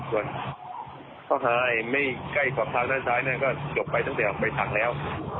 ส่วนท้องที่ให้ไม่ไกลกว่าภูมิสายอย่าไปสิ่งไว้ไปฉันแล้ว